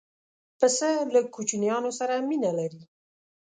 پسه له کوچنیانو سره مینه لري.